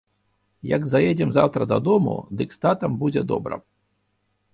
Як заедзем заўтра дадому, дык з татам будзе добра.